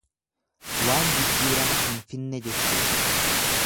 Waan jijjiirama hin finne jechuudha.